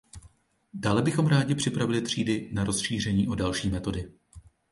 Dále bychom rádi připravili třídy na rozšíření o další metody.